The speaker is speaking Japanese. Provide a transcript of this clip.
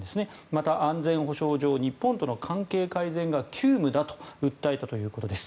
また、安全保障上日本との関係改善が急務だと訴えたということです。